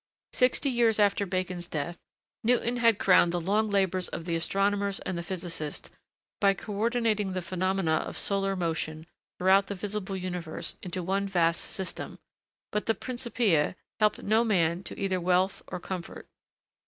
Sixty years after Bacon's death, Newton had crowned the long labors of the astronomers and the physicists, by coordinating the phenomena of solar motion throughout the visible universe into one vast system; but the 'Principia' helped no man to either wealth or comfort.